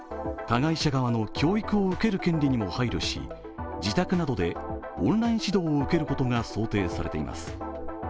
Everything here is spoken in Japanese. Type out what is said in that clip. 加害者側の教育を受ける権利にも配慮し自宅などでオンライン指導を受けることが想定されています。